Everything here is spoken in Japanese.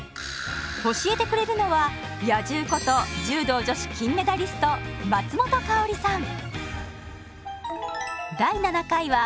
教えてくれるのは「野獣」こと柔道女子金メダリスト松本薫さん。